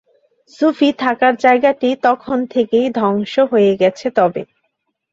সূফী থাকার জায়গাটি তখন থেকেই ধ্বংস হয়ে গেছে তবে।